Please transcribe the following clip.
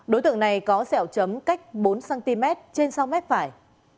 đối tượng này có sẹo chấm cách bốn cm trên sau mép phải